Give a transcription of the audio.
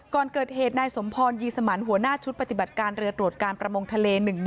ก่อนเกิดเหตุนายสมพรยีสมันหัวหน้าชุดปฏิบัติการเรือตรวจการประมงทะเล๑๑